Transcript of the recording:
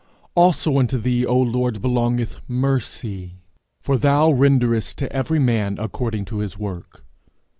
Also unto thee, O Lord, belongeth mercy; for thou renderest to every man according to his work.